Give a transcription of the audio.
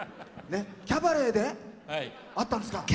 キャバレーで会ったんですか。